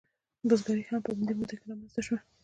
بزګري هم په همدې موده کې رامنځته شوه.